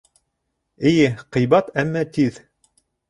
Эйе, ҡыйбат, әммә тиҙ